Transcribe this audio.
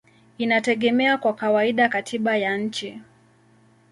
inategemea kwa kawaida katiba ya nchi.